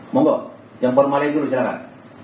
mobo yang permalin dulu silahkan